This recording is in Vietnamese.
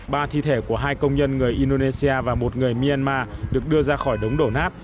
ba thi thể của hai công nhân người indonesia và một người myanmar được đưa ra khỏi đống đổ nát